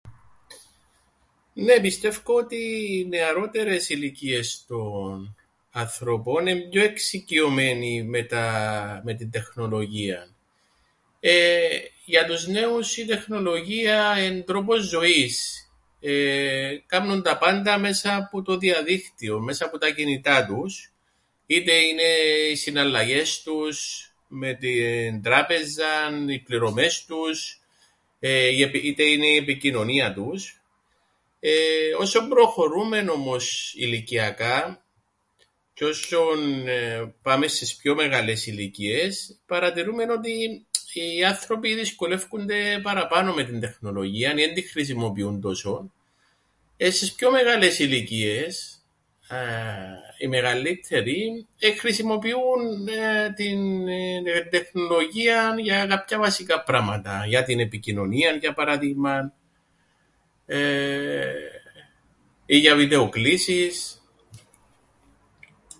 Νναι, πιστεύκω ότι οι νεαρότερες ηλικίες των ανθρώπων εν' πιο εξοικειωμένοι με τα... με την τεχνολογίαν. Εεε.. για τους νέους η τεχνολογία εν' τρόπος ζωής εεε... κάμνουν τα πάντα μέσα που το διαδίκτυον, μέσα που τα κινητά τους, είτε είναι οι συναλλαγές τους με την τράπεζαν, οι πληρωμές τους, είτε είναι η επικοινωνία τους εεε... όσον προχωρούμεν όμως ηλικιακά τζ̆αι όσον πάμεν στες πιο μεγάλες ηλικίες παρατηρούμεν ότι οι άνθρωποι δυσκολεύκουνται παραπάνω με την τεχνολογίαν ή εν την χρησιμοποιούν τόσον εεε στες πιο μεγάλες ηλικίες ααα οι μεγαλλύττεροι εεε.. χρησιμοποιούν την τεχνολογίαν για κάποια βασικά πράγματα για την επικοινωνία για παράδειγμαν εεε.. ή για βιτεοκλήσεις.